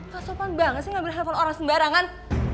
kak sopan banget sih gak boleh handphone orang sembarangan